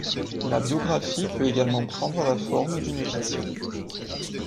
La biographie peut également prendre la forme d'une fiction.